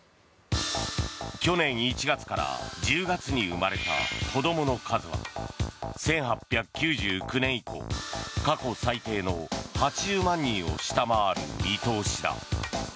去年１月から１０月に生まれた子供の数は１８９９年以降過去最低の８０万人を下回る見通しだ。